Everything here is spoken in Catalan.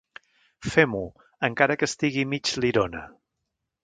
Fem-ho, encara que estigui mig lirona.